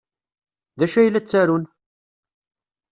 D acu ay la ttarun?